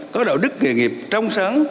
có đạo đức nghề nghiệp trong sáng